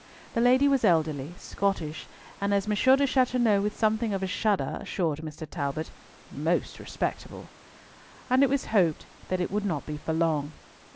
The lady was elderly, Scottish, and, as M. de Chateauneuf with something of a shudder assured Mr. Talbot, "most respectable." And it was hoped that it would not be for long.